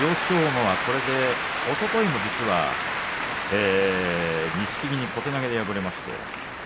馬は、おとといも実は錦木に小手投げで敗れました。